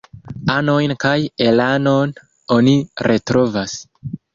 Anojn kaj elanon oni retrovas.